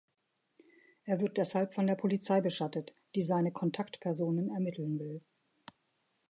Er wird deshalb von der Polizei beschattet, die seine Kontaktpersonen ermitteln will.